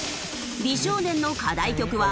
美少年の課題曲は。